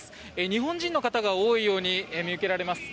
日本人の方が多いように見受けられます。